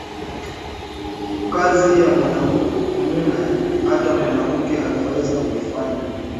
Kaji ya wanaume ata mwanamuke anaweza ku ifanya